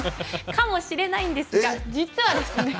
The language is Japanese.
かもしれないんですが実はですね